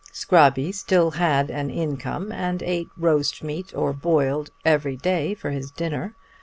Scrobby still had an income, and ate roast meat or boiled every day for his dinner.